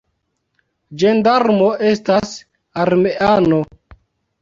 Ĝendarmo estas armeano.